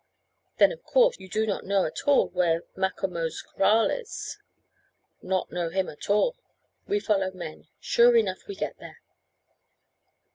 "Then, of course, you do not know at all where Macomo's kraal is?" "Not know him at all. We follow men, sure enough we get there."